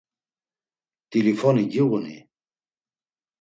T̆ilifoni giğuni?